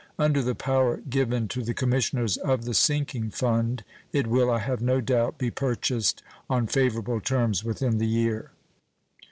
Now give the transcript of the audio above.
Under the power given to the commissioners of the sinking fund, it will, I have no doubt, be purchased on favorable terms within the year.